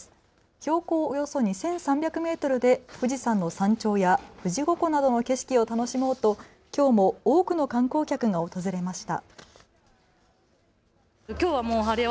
標高およそ２３００メートルで富士山の山頂や富士五湖などの景色を楽しもうときょうも多くの観光客が訪れました。